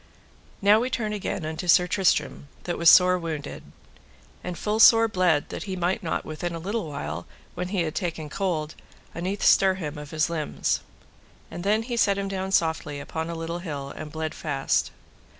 Now turn we again unto Sir Tristram, that was sore wounded, and full sore bled that he might not within a little while, when he had taken cold, unnethe stir him of his limbs. And then he set him down softly upon a little hill, and bled fast.